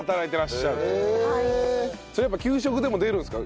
そういえば給食でも出るんですか？